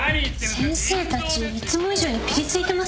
先生たちいつも以上にピリついてません？